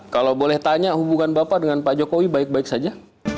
kalau boleh tanya hubungan bapak dengan pak jokowi baik baik saja